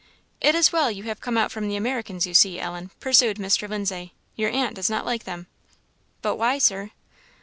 "It is well you have come out from the Americans, you see, Ellen," pursued Mr. Lindsay; "your aunt does not like them." "But why, Sir?"